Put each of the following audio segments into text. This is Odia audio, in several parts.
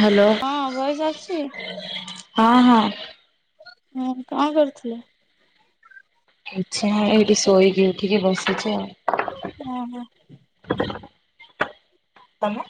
ହ୍ୟାଲୋ। ହଁ ବଏସ୍ ଆସଛି? ହଁ ହଁ। ହୁଁ କଣ କରୁଥିଲ? କିଛି ନାହଁ ଏଇଠି ଶୋଇକି ଉଠିକି ବସିଛି ଆଉ। ଓହୋ। ତମେ।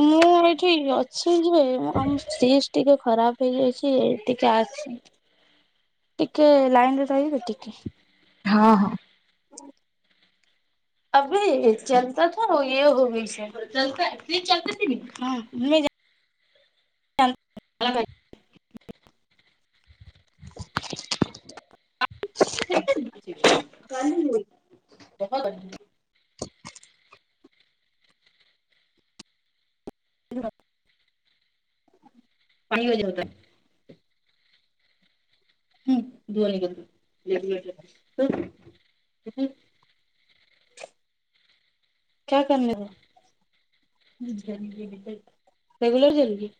ମୁଁ ଏଇଠି ଅଛି ଯିବେ ଆମ ସି ଟିକେ ଖରାପ ହେଇଯାଇଛି ଟିକେ ଆସି ଟିକେ ଲାଇନ ରେ ରହିବେ ଟିକେ। ହଁ ହଁ। [unintelligible] [inaudible] [unintelligible] [inaudible] [inaudible] [unintelligible] [inaudible] [inaudible] କ୍ୟା କର [unintelligible] ହୋ। ରେଗୁଲାର [unintelligible]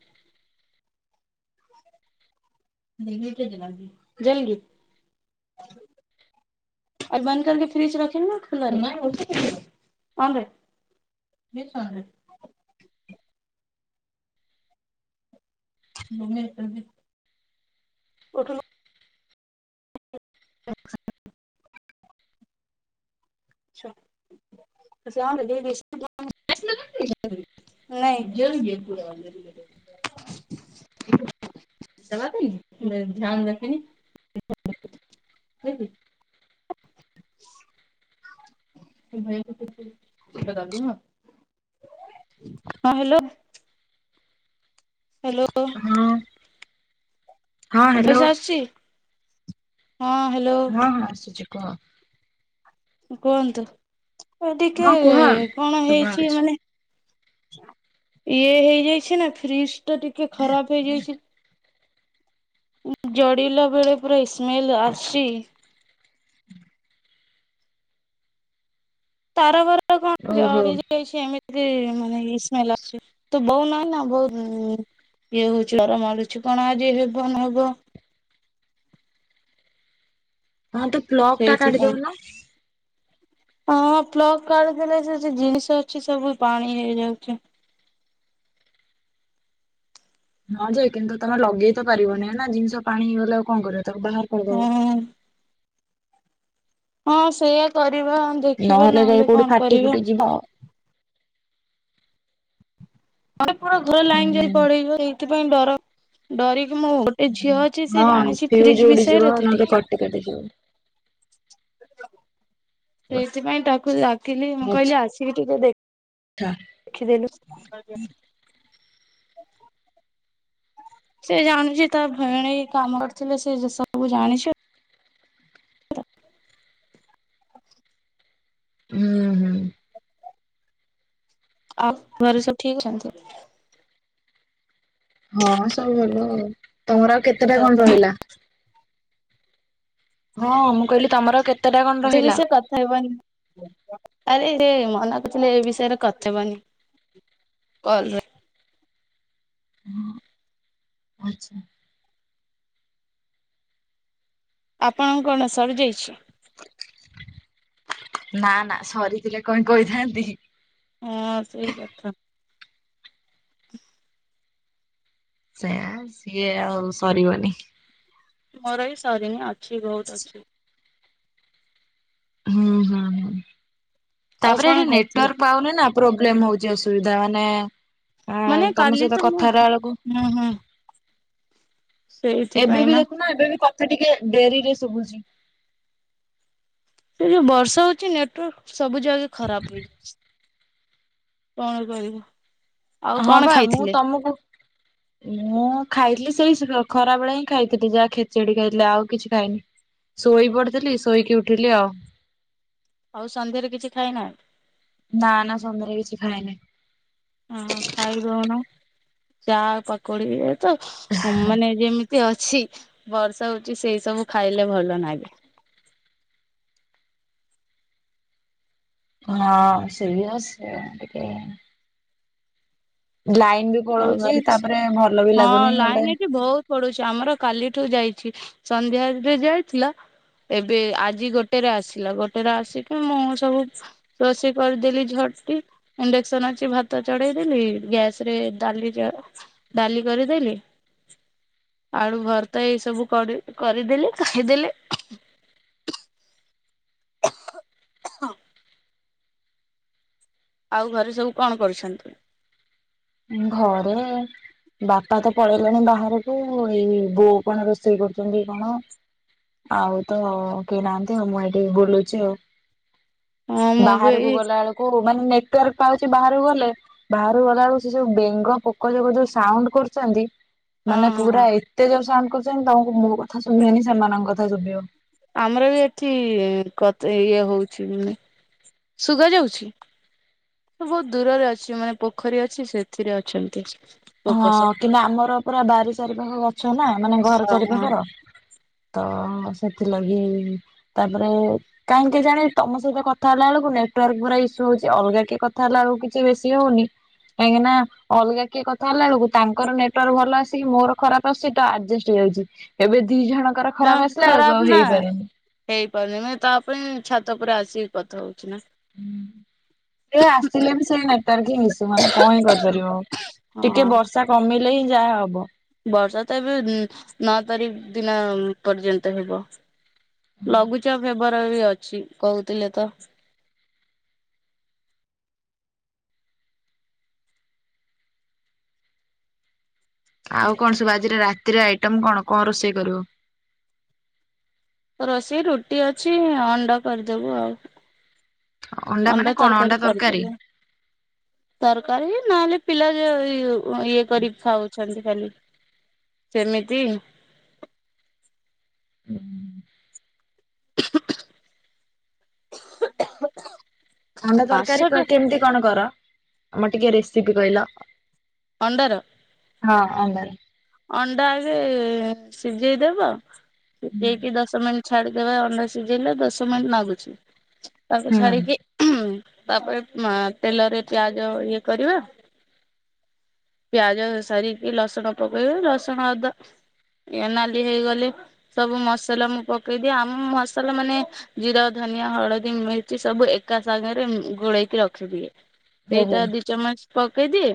[unintelligible] [inaudible] ଆଉ ବନ୍ଦ କରିକ ଫ୍ରିଜ ରଖିନୁ ଖୋଲାରେ ଓଁ ବେ। [unintelligible] [unintelligible] [inaudible] ଆଛା ଆ [unintelligible] [unintelligible] ଦବା ପାଇଁ ଧ୍ୟାନ ରଖନି ଖାଇଛି। [inaudible] [unintelligible] ହଁ ହ୍ୟାଲୋ ହ୍ୟାଲୋ ହଁ। ହଁ [unintelligible] ହ୍ୟାଲୋ। ଭଏସ ଆସୁଛି ହଁ ହ୍ୟାଲୋ। ହଁ ହଁ ଆସୁଛି କହ। କୁହନ୍ତୁ ଏ ଟିକେ ହଁ କୁହ କଣ ଶୁଭା ହେଇଛି ଯାଉଛି। ମାନେ ଇଏ ହେଇଯାଇଛି ନା ଫ୍ରିଜଟା ଟିକେ ଖରାପ ହେଇଯାଇଛି ଜଡ଼ିଲା ବେଳେ ପୁରା ଇ ସ୍ମେଲ୍ ଆସିଛି। ତାର ଫାର କଣ ଓହୋ। ଜଡି ଯାଇଛି ଏମିତି ମାନେ ଇ ସ୍ମେଲ ଆସୁଛି ତ ବୋଉ ନାହିଁ ନା ବୋ ଇଏ ହଉଛି ଡର ମାଡୁଛି କଣ ଆଜି ହେବ ନ ହବ ହଁ ତୁ ପ୍ଲକ ଟା ସେଇଥିପାଇଁ। କାଢିଦେଉନ। ହଁ ପ୍ଲକ୍ କାଢି ଦେଲେ ସେ ଜିନିଷ ଅଛି ସବୁ ପାଣି ହେଇଯାଉଛି। ହଁ ଯେ କିନ୍ତୁ ତମେ ଲଗେଇ ତ ପାରିବନି ନା ଜିନିଷ ପାଣି ହେଇଗଲେ ଆଉ କରିବ ତାକୁ ବାହାର କରିଦବ। ହୁଁ। ହଁ ସେଇୟା କରିବା ଦେଖିବା ନହେଲେ କଣ କରିବା। ଜିଭ। ଆମେ ପୁରା ଘର ହୁଁ ଲାଇନ ଯାଇ ପଳେଇବ ଏଇଥିପାଇଁ ଡର ଡରିକି ମୁଁ ଏ ଝିଅ ଅଛି ସେ ହଁ ଜାଣିଛି ଫ୍ୟୁଜ ଫ୍ରିଜ ଉଡିଯିବ ବିଷୟରେ ତ ଟିକେ [unintelligible] ସେଇଥିପାଇଁ ତାକୁ ଡାକିଲି ମୁଁ କହିଲି ଆଚ୍ଛା ଆସିକି ଟିକେ ଦେ [unintelligible] [unintelligible] [inaudible] ସେ ଜାଣିଛି ତା ଭେଣେଇ କାମ କରିଥିଲେ, ସେ ସବୁ ଜାଣିଛି। [inaudible] ହୁଁ। ହୁଁ। ଆଉ, ଘରେ ସବୁ [unintelligible] ହଁ ସବୁ ଭଲ ଅଉ, ତମର ଆଉ କେତେଟା କଣ ରହିଲା? ହଁ ମୁଁ କହିଲି ତମର କେତେଟା କଣ ସେ ରହିଲା? [unintelligible] ଆରେ ମନା କରିୁଥିଲେ ଏ ବିଷୟରେ [unintelligible] କଲ୍ ରେ [unintelligible] ଆପଣଙ୍କ କଣ ସରିଯାଇଛି? ନା ନା, ସରିଥିଲେ କଣ କହିଥାନ୍ତି। ହଁ ସେଇ କଥା। ସେୟା ସିଏ ଆଉ ସରିବନି। ମୋର ଏଇ ସରିନି ଅଛିି, ବହୁତ ଅଛିି। ହୁଁ ହୁଁ ହୁଁ, ଆଉ ତାପରେ କଣ ଏରି ଖାଇଥିଲେ? ନେଟୱର୍କ ପାଉନି ନା ପ୍ରୋବ୍ଲେମ ହଉଛି, ଅସୁବିଧା ମାନେ ମାନେ ଉଁ ତମ କାଲି ତ ସହିତ ମୁଁ କଥା ହେଲା [unintelligible] ହୁଁ ହୁଁ। ଏବେ ସେଇଥିପାଇଁ ବି ନା ଦେଖୁନ ଏବେ ବି କଥା ଟିକେ ଡେରି ରେ ଶଭୁଛି। ସେ ଯୋଉ ବର୍ଷା ହଉଛି ନେଟୱାର୍କ ସବୁ ଜାଗେ ଖରାପ ହେଇଯାଉଛି। କଣ କରିବ? ହଁ ବା, ମୁଁ ତମୁକୁ ମୁଁ ଖାଇଥିଲି ସେଇ [unintelligible] ଖରା ବେଳେ ହିଁ ଖାଇଥିଲି, ଯାହା ଖେଚେଡି ଖାଇଥିଲି, ଆଉ କିଛି ଖାଇନି। ଶୋଇ ପଡିଥିଲି, ଶୋଇକି ଉଠିଲି ଆଉ। ଆଉ ସନ୍ଧ୍ୟାରେ କିଛି ଖାଇନାହିଁ। ନା ନା, ସନ୍ଦରେ କିଛି ଖାଇନାହିଁ। ହଁ ଖାଇଦଉନ, ଚା ପ [unintelligible] ମାନେ ଯେମିତି ଅଛି ବର୍ଷା ହଉଛି, ସେଇ ସବୁ ଖାଇଲେ ଭଲ ନାଗେ। ହଁ ସେଇଆ ସେ ଟିକେ ଲାଇନ ବି ଆଉ ପଳଉଛି, ଘରେ ତାପରେ ଭଲ ବି ହଁ ଲାଗୁନି ଲାଇନ ଗୋଟେ ଏଠି ବହୁତ ପଡୁଛି ଆମର କାଲିଠୁ ଯାଇଛି, ସନ୍ଧ୍ୟରେ ବି ଯାଇଥିଲା। ଏବେ ଆଜି ଗୋଟେରେ ଆସିଲା, ଗୋଟେରେ ଆସିକି ମୁଁ ସବୁ ରୋଷେଇ କରିଦେଲି ଝଟଟି, ଇଣ୍ଡକ୍ସନ ଅଛି ଭାତ ଚଢେଇଦେଲି ଗ୍ୟାସ ରେ [unintelligible] ଡାଲି କରିଦେଲି। ଆଳୁ ଭର୍ତ୍ତା ଏଇ ସବୁ କରି କରିଦେଲି ଖାଇଦେଲି। ହ ଆଉ ଘରେ ସବୁ କଣ କରୁଛନ୍ତି? ଉଁ ଘରେ ବାପା ତ ପଳେଇଲେଣି ବାହାରକୁ, ଏଇ ବୋଉ କଣ ରୋଷେଇ କରୁଛନ୍ତି କଣ? ଆଉ ତ କେହି ନାହାନ୍ତି ଆଉ, ମୁଁ ଏଇଠି ବୁଲୁଛି ଆଉ। ହଁ ମୁଁ ବି ବାହାରକୁ ଏଇ ଗଲା ବେଳକୁ ମାନେ ନେଟୱାର୍କ ପାଉଛି ବାହାରକୁ ଗଲେ, ବାହାରକୁ ଗଲା ବେଳୁ ସେ ସବୁ ବେଙ୍ଗ ପୋକ ଜୋକ ଯୋଉ ସାଉଣ୍ଡ୍ କରୁଚନ୍ତି ହଁ ମାନେ ହଁ ପୁରା ଏ ଏତେ ଜୋର୍ ସାଉଣ୍ଡ କରୁଚନ୍ତି ତମକୁ ମୋ କଥା ଶୁଭିଅନି ସେମାନଙ୍କ କଥା ଶୁଭିବ। ଆମର ବି ଏଠି କତ୍ ଇଏ ହଉଛି ମାନେ ଶୁଗା ଯାଉଛି। [unintelligible] ବହୁତ୍ ଦୂରରେ ଅଛି ମାନେ ପୋଖରୀ ଅଛି ସେଥିରେ ଅଛନ୍ତି। ପୋକ ହଁ ସବୁ କିନ୍ତୁ ଆମର ପୁରା ବାରି ଚାରି ପାଖ ଗଛ ନା ମାନେ ଘର ଚାରି ହଁ ପାଖର ତ ସେଥିଲାଗି ତାପରେ କାଇଁ କେଜାଣି ତମ ସହିତ କଥା ହେଲା ଅଳକୁ ନେଟୱାର୍କ ପୁରା ଇସ୍ୟୁ ହଉଛି ଅଲ୍ଗା କିଏ କଥା ହେଲା ଅଳକୁ କିଛି ବେଶୀ ହଉନି। କାଇ‍ଁକି ନା ଅଲ୍ଗା କିଏ କ ଥା ହେଲା ଆଳକୁ ତାଙ୍କର ନେଟୱାର୍କ ଭଲ ଆସିକି ମୋର ଖରାପ ଆସୁଚି [unintelligible] ଆଡଜେଷ୍ଟ ହେଇଯାଉଚି ଏବେ ଦି ଜଣ ଙ୍କର ହଁ ଖରାପ୍ ଆସିଲା ଆଳକୁ ଖରାପ ଆଉ ନା ହେଇପାରେନି। ହେଇପାରୁନି ମାନେ ତା ପାଇଁ ଛାତ ଉପରେ ଆସିକି କଥା ହଉଛି ନା। ହୁଁ ସେ ଆସିଲେ ବି ସେଇ ନେଟୱାର୍କ ହିଁ ଇସ୍ୟୁ ମାନେ କଁ ହିଁ କରିପାରିବ ଆଉ। ଟିକେ ହଁ। ବର୍ଷା କମିଲେ ହିଁ ଯାହା ହବ। ବର୍ଷା ତ ଉଁ ଏବେ ନଅ ତାରିଖ୍ ଉଁ ଦିନ ପର୍ଯ୍ୟନ୍ତ ହେବ। ଲଘୁଚାପ୍ ହେବାର ବି ଅଛି କହୁଥିଲେ ତ। ଆଉ କଣ ସବୁ ଆଜିର ରାତିରେ ଆଇଟମ୍ କଣ କଁ ରୋଷେଇ କରିବ? ରୋଷେଇ ରୁଟି ଅଛି ଅଣ୍ଡ କରିଦବୁ ଆଉ। ଅଣ୍ଡା ତରକାରୀ କରିଦେଲେ ତରକାରୀ ନଏଲେ ପିଲା ଯୋ [unintelligible] ଇଏ କରି ଖାଉଛି। ସେମ୍ତି ଖାଲି ସେମିତି। ହୁ ହୁଁ। [inaudible] ଅଣ୍ଡା ତରକାରୀ କ କାଶଟା କେମିତି କଣ କର ଆମ ଟିକେ ରେସିପି କହିଲ? ଅଣ୍ଡାର? ହଁ ଆଣ୍ଡାର। ଅଣ୍ଡା ଆଗେ ସିଝେଇଦେବ ସିଝେଇକି ଦଶ ମିନ୍ ଛାଡିଦବା ଅଣ୍ଡା ସିଝେଇଲେ ଦଶ ମିନିଟ୍ ନାଗୁଛି ତାକୁ ଛାଡିକି ତାପରେ ମାଁ ତେଲରେ ପିଆଜ ଇଏ କରିବା ପିଆଜ ସାରିକି ଲସୁଣ ପକେଇବେ ରସୁଣ ଅଦା ଆଜ୍ଞା ନାଲି ହେଇଗଲେ ସବୁ ମସଲା ମୁଁ ପକେଇଦିଏ ଆମ ମସଲା ମାନେ ଜିରା ଧନିଆ ହଳଦୀ ମିର୍ଚି ସବୁ ଏକା ସାଙ୍ଗରେ ଉଁ ଗୋଳେଇକି ରଖିଦିଏ। ଓହୋ ସେଇଟା ଦି ଚାମଚ ପକେଇଦିଏ,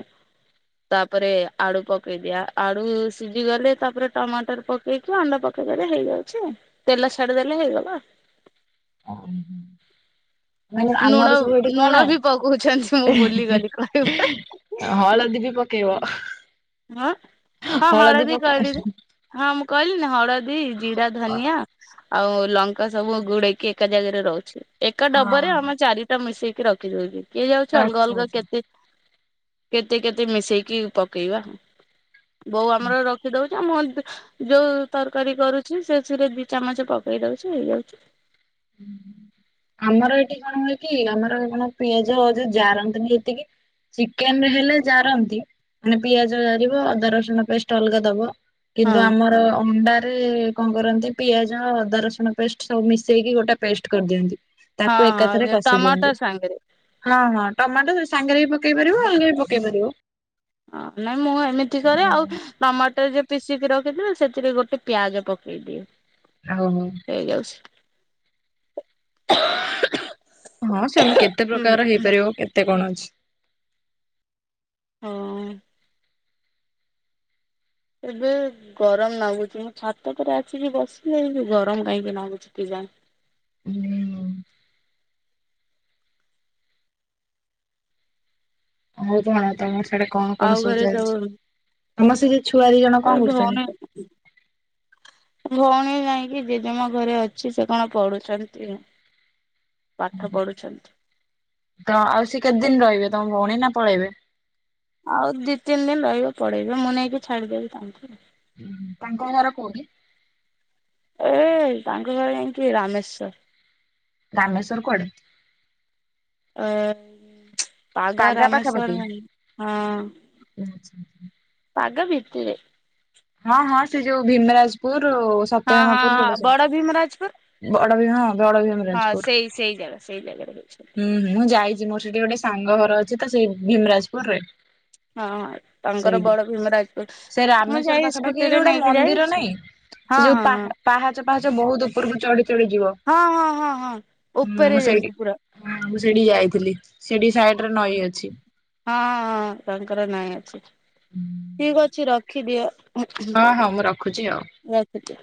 ତାପରେ ଆଳୁ ପକେଇଦିଆ। ଆଳୁ ସିଜି ଗଲେ ତାପରେ ଟମାଟର ପକେଇକି ଅଣ୍ଡା ପକେଇଦଲେ ହେଇଯାଉଛି। ତେଲ ଛାଡ଼ି ଦେଲେ ହଇଗଲା। ଅଁ ହଁ ହୁଁ-ହୁଁ ମାନେ ଲୁଣ ଆମର ସବୁ ଏଇଠି ଲୁଣ ବି ପକଉଛନ୍ତି ମୁଁ କୁହନାଇଁ, ଭୁଲିଗଲି କହିବା। ହଳଦୀ ବି ପ [unintelligible] ହଁ-ହଁ ହଳଦୀ କହିଲି [unintelligible] ହଁ ମୁଁ କହିଲି ନି ହଳଦୀ ଜିରା ହଁ ଧନିଆ ଆଉ ଲଙ୍କା ସବୁ ଗୁଡେଇକି ଏକା ଜାଗାରେ ରହୁଛି ଏକା ଡବାରେ ଆମ ଚାରି ଟ ମିଶେଇକି ରଖିଦଉଚି କିଏ ଯାଉଚି ଅଲ୍ଗା ଆଚ୍ଛା ଅଲ୍ଗା ଆଚ୍ଛା। କେତେ କେତେ କେତେ ମିଶେଇକି ପକେଇବା ବୋଉ ଆମର ରଖିଦଉ [unintelligible] ଯଉ ତରକାରୀ କରୁଛି ସେଥିରେ ଦି ଚାମଚ ପକେଇ ଦଉଛି ହେଇଯାଉଛି। [unintelligible] ଆମର ଏଠି କଣ ହୁଏ କି ଆମର କଣ ପିଆଜ ଯଉ ଜାରନ୍ତିନି ଏତିକି ଚିକେନ୍ ରେ ହେଲେ ଜାରନ୍ତି ମାନେ ପିଆଜ ଜାରିବ ଅଦା ରସୁଣ ପେଷ୍ଟ ଅଲ୍ଗା ଦବ। କିନ୍ତୁ ହଁ ଆମର ଅଣ୍ଡାରେ କଣ କରନ୍ତି ପିଆଜ ଅଦା ରସୁଣ ପେଷ୍ଟ ସବୁ ମିଶ୍ ଶେଇ କି ଗୋଟା ପେଷ୍ଟ କରିଦିଅନ୍ତି ହଁ ତାକୁ ଏକାଥରେ ହଁ କଷି ଟମାଟର ଦିଅନ୍ତି। ସାଙ୍ଗରେ ହଁ-ହଁ ଟମାଟ ସେଇ ସାଙ୍ଗରେ ବି ପକେଇ ପାରିବ ଅଲ୍ଗା ବି ପକେଇ ପାରିବ। ଅଁ ନାଇଁ ମୁଁ ଏମିତି କରେ ଆଉ ଟମାଟ ଯଉ ପିଶିକି ରଖିଥି [unintelligible] ସେଥିରେ ଗୋଟେ ପିଆଜ ପକେଇଦିଏ। ଆଉ। ହେଇ ଯାଉଛି। ହଁ ସେମି କେତେ ପ୍ରକାର ହେଇପାରିବ କେତେ କଣ ଅଛି। ହଁ। ଏବେ ଗରମ ଲାଗୁଛି ମୁଁ ଛାତ ଉପରେ ଆସିକି ବସିଲିଣି ଗରମ କାହିଁକି ନାଗୁଛି କେଜାଣି? ହୁଁ ହଉ ହଁ ତମର ସେଆଡେ କଣ କଣ ଆଉ ସବୁ ଘରେ ଚାଲିଛି, ତମ ସେ ଯ ଛୁଆ ଦି ଜଣ ଏ କଣ କରୁଛନ୍ତି? ଭଉଣୀ [inaudible] ଭଉଣୀ ନାଇଁ କିି ଜେଜମା ଘରେ ଅଛି ସେ କଣ ପଢୁଛନ୍ତି। ପାଠ ପଢୁଛନ୍ତି। ତ ଆଉ ସେ କେତେଦିନ ରହିବେ ତମ ଭଉଣୀ ନା ପଳେଇବେ? ଆଉ ଦି ତିନି ଦିନ ରହିବେ ପଳେଇବେ ମୁଁ ନେଇକି ଛାଡିଦେବି ତାଙ୍କୁ। ହୁଁ ତାଙ୍କ ଘର କୋଉଠି? ଏ ତାଙ୍କ ଘର ଯାଇକି ରାମେଶ୍ଵର। ରାମେଶ୍ଵର କୁଆଡ଼େ? ଅ ପାଗା ବାଗା ପାଖାପାଖି। ରାମେଶ୍ଵର ଯାଇଁ, ହଁ ଆଚ୍ଛା। ପାଗା ଭିତରେ। ହଁ ହଁ ସେ ଯୋଉ ଭୀମରାଜପୁର ହଁ ହଁ ସତ୍ୟଭାମାପୁର ସେଗୁଡା ହଁ ବଡ଼ ଭୀମରାଜପୁର ବଡ ଦିନ ଅଧଘଣ୍ଟା ଯେହେତୁ, ହଁ ସେଇ ସେଇ ଜାଗା ସେଇ ଜାଗାରେ ରଉଛନ୍ତି। ହୁଁ ମୁଁ ଯାଇଛି ମୋର ସେଠି ଗୋଟେ ସାଙ୍ଗ ଘର ଅଛି ତ ସେଇ ଭୀମରାଜପୁର ରେ। ହଁ ହଁ ତାଙ୍କର ବଡ ଭୀମରାଜକୁଲ ମୁଁ ଯାଇ ସେଇଠି ସ୍କୁଟିରେ ଗୋଟେ ନେଇକି ମନ୍ଦିର ଯାଇଛି ନାଇଁ ହଁ ସେ ଯୋଉ ହଁ ପା ହଁ। ପାହାଚ ପାହାଚ ବହୁତ ଉପରକୁ ଚଢି ଚଢି ଯିବ? ହଁ ହଁ ହଁ ହଁ ମୁଁ ଉପରେ ସେଇଠି ଜାଇଙ୍କି ପୁରା। ମୁଁ ସେଇଠି ଯାଇଥିଲି ସେଠି ସାଇଡ ରେ ନଈ ଅଛି। ହଁ ତାଙ୍କର ନାଇଁ ଅଛି ଠିକ ଅଛି ରଖିଦିଅ। ହଁ ହଁ ମୁଁ ରଖୁଛି ଆଉ। ରଖୁଛି।